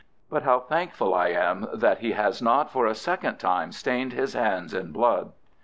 But how thankful I am that he has not for a second time stained his hands in blood."